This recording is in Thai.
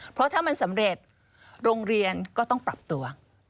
เพราะถ้ามันสำเร็จโรงเรียนก็ต้องปรับตัว